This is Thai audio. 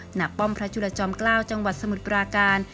ป้อมพระจุลจอมเกล้าจังหวัดสมุทรปราการ